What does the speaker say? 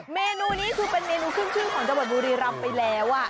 เมนูนี้คือเป็นเมนูขึ้นชื่อของจังหวัดบุรีรำไปแล้ว